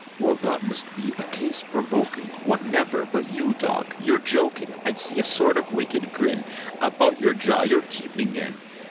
"Well, that must be a case provoking. What, never but, you dog, you're joking! I see a sort of wicked grin About your jaw you're keeping in."